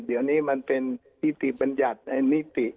เดี๋ยวนี้มันเป็นนิติบุคคล